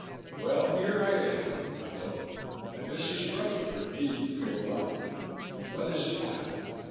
"Well, here I am," I told him, "and Mrs. Rutherford needn't feel bothered. What is it now?"